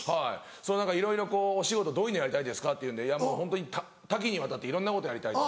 いろいろ「お仕事どういうのやりたいですか？」って言うんで「ホントに多岐にわたっていろんなことやりたい。